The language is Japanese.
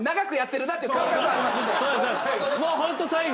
もうホント最後。